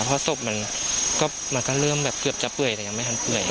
เพราะศพมันก็เริ่มแบบเกือบจะเปื่อยแต่ยังไม่ทันเปื่อย